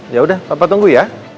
yaudah papa tunggu ya